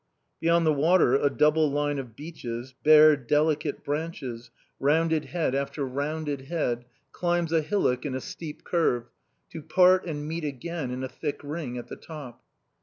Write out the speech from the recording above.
Beyond the water a double line of beeches, bare delicate branches, rounded head after rounded head, climbs a hillock in a steep curve, to part and meet again in a thick ring at the top.